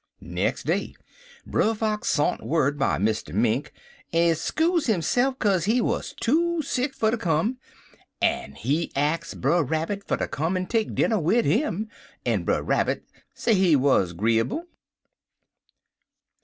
"Nex' day, Brer Fox sont word by Mr. Mink, en skuze hisse'f kaze he wuz too sick fer ter come, en he ax Brer Rabbit fer ter come en take dinner wid him, en Brer Rabbit say he wuz 'gree'ble.